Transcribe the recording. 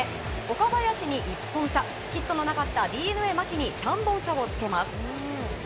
岡林に１本差、ヒットのなかったＤｅＮＡ牧に３本差をつけます。